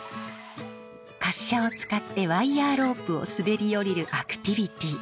滑車を使ってワイヤーロープを滑り降りるアクティビティー。